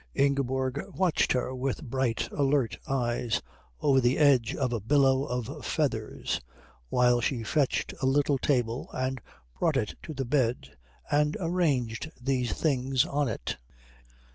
Ingeborg watched her with bright alert eyes over the edge of a billow of feathers while she fetched a little table and brought it to the bed and arranged these things on it.